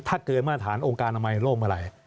ถ้าเกินมาตรฐานองค์การอนามัยโลกเมื่อไหร่